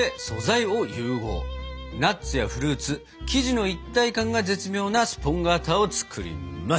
ナッツやフルーツ生地の一体感が絶妙なスポンガータを作ります！